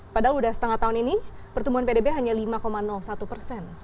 padahal sudah setengah tahun ini pertumbuhan pdb hanya lima satu persen